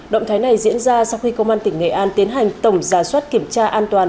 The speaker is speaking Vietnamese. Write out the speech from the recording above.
động thái này diễn ra sau khi công an tỉnh nghệ an tiến hành tổng giả soát kiểm tra an toàn